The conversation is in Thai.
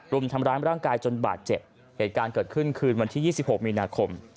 รุมทำร้ายร่างกายจนบาดเจ็บเหตุการณ์เกิดขึ้นคืนวันที่๒๖มีนาคม